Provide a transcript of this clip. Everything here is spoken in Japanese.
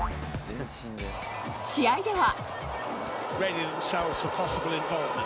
試合では。